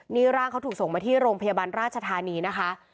นี่ร่างเขาถูกส่งมาที่โรงพยาบาลราชธานีนะคะ